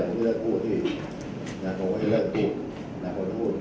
หนึ่งอย่างหนึ่ง